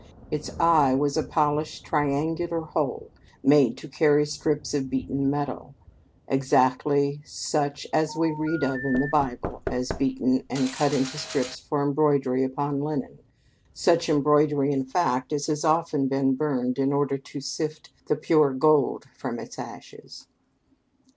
Its eye was a polished triangular hole made to carry strips of beaten metal, exactly such as we read of in the Bible as beaten and cut into strips for embroidery upon linen, such embroidery, in fact, as has often been burned in order to sift the pure gold from its ashes.